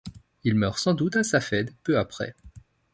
Il meurt sans doute à Safed, peu après.